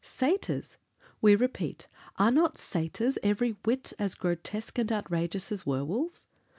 Satyrs! we repeat; are not satyrs every whit as grotesque and outrageous as werwolves?